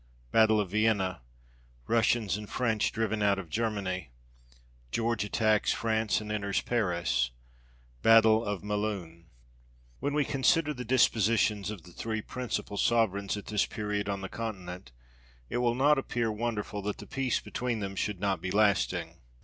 Battle of Vienna. Russians and French driven out of Germany. George attacks France, and enters Paris. Battle of Melun. WHEN we consider the dispositions of the three princi pal Sovereigns at this period on the Continent, it will not appear wonderful that the peace between them should not t>e lasting.